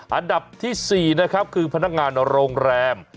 อันดับที่๔นะครับคือพนักงานโรงแรม